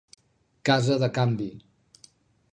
Casa de canvi.